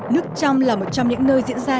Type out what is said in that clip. nước trong là một trong những nơi diễn ra